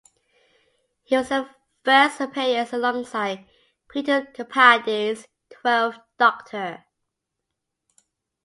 It was her first appearance alongside Peter Capaldi's Twelfth Doctor.